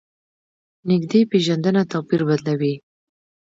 نږدې پېژندنه توپیر بدلوي.